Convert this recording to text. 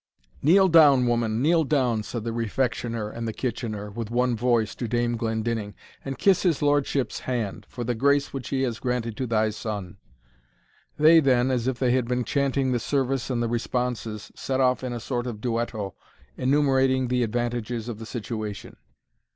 "Kneel down, woman, kneel down," said the Refectioner and the Kitchener, with one voice, to Dame Glendinning, "and kiss his lordship's hand, for the grace which he has granted to thy son." They then, as if they had been chanting the service and the responses, set off in a sort of duetto, enumerating the advantages of the situation.